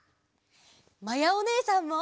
まやおねえさんも。